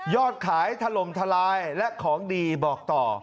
ยอดขายทะลมทะลายและของดีบอกต่อ